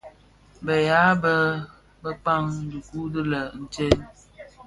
Beya bë ndhaň ukibèè lè tsèn.